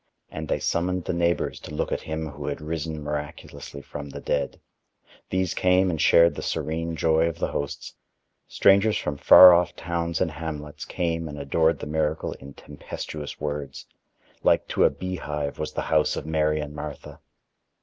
And they summoned the neighbors to look at him who had risen miraculously from the dead. These came and shared the serene joy of the hosts. Strangers from far off towns and hamlets came and adored the miracle in tempestuous words. Like to a beehive was the house of Mary and Martha.